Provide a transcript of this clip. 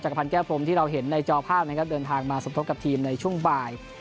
พันธแก้วพรมที่เราเห็นในจอภาพนะครับเดินทางมาสมทบกับทีมในช่วงบ่าย